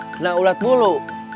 kena ulat bulu